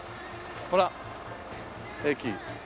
ほら駅。